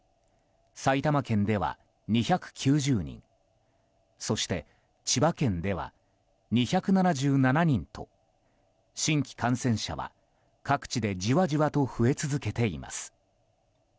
埼玉県では２９０人そして、千葉県では２７７人と新規感染者は各地でじわじわと増え続けています。